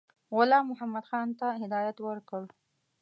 غلام محمدخان ته هدایت ورکړ.